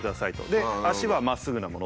で足はまっすぐなもの。